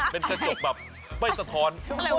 เป็นกระจกแบบอ้วยสะธร